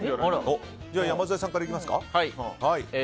山添さんからいきますか。